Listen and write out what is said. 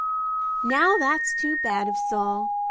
"Now, that's too bad of Saul!